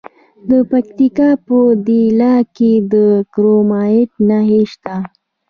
د پکتیکا په دیله کې د کرومایټ نښې شته.